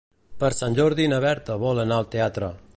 Per Sant Jordi na Berta vol anar al teatre.